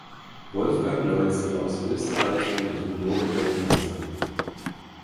Wolfgang Loitzl aus Österreich wurde Junioren-Weltmeister.